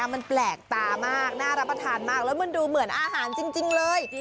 มันแปลกตามากน่ารับประทานมากแล้วมันดูเหมือนอาหารจริงเลย